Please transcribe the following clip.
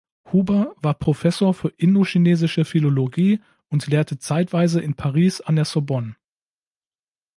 Huber war Professor für indochinesische Philologie und lehrte zeitweise in Paris an der Sorbonne.